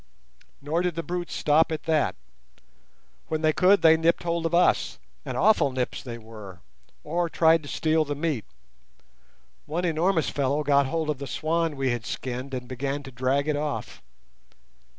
Nor did the brutes stop at that. When they could they nipped hold of us—and awful nips they were—or tried to steal the meat. One enormous fellow got hold of the swan we had skinned and began to drag it off.